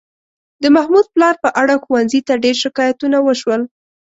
د محمود پلار په اړه ښوونځي ته ډېر شکایتونه وشول.